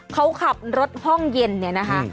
เขาขับรถห้องเย็นเนี่ยนะคะ